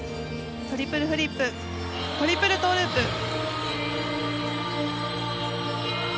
トリプルフリップトリプルトウループ。